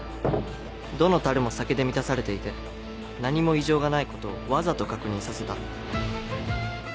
どの樽も酒で満たされていて何も異常がないことをわざと確認させた。